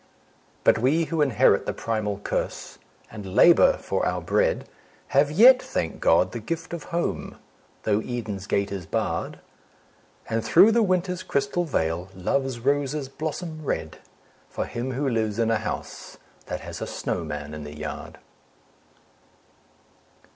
But we who inherit the primal curse, and labour for our bread, Have yet, thank God, the gift of Home, though Eden's gate is barred: And through the Winter's crystal veil, Love's roses blossom red, For him who lives in a house that has a snowman in the yard.